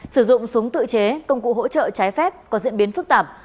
sử dụng súng tự chế công cụ hỗ trợ trái phép có diễn biến phức tạp